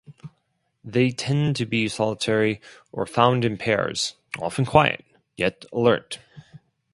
They tend to be solitary or found in pairs, often quiet, yet alert.